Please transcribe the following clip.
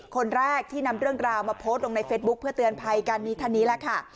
คนแรกที่นำเรื่องราวมาโพสต์ลงในเฟซบุ๊คเพื่อเตือนภัยกันนี้ท่านนี้แหละค่ะ